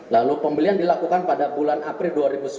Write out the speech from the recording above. lalu pembelian dilakukan pada bulan april dua ribu sembilan belas